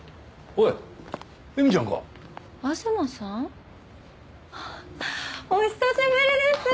お久しぶりです！